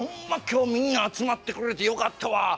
今日みんな集まってくれてよかったわ。